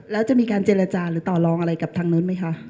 แล้วจะมีการเจรจาหรือต่อลองอะไรกับทางนู้นไหมคะ